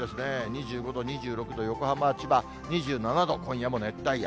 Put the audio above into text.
２５度、２６度、横浜、千葉２７度、今夜も熱帯夜。